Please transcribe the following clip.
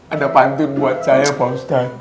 ada pantun buat saya pak ustadz